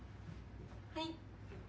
はい。